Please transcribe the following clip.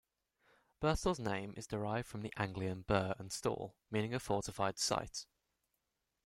Birstall's name is derived from the Anglian "burh" and "stall" meaning a fortified site.